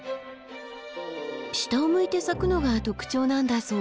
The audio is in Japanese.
下を向いて咲くのが特徴なんだそう。